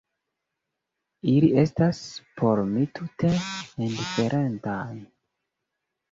Ili estas por mi tute indiferentaj.